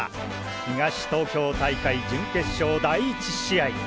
東東京大会準決勝第１試合。